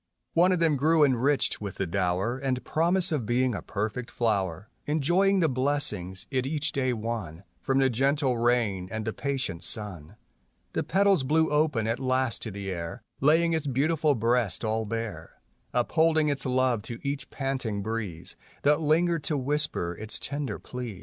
One of them grew enriched with the dower And promise of being a perfect flower, Enjoying the blessings it each day won From the gentle rain and the patient sun. The petals blew open at last to the air Laying its beautiful breast all bare, Upholding its love to each panting breeze That lingered to whisper its tender pleas.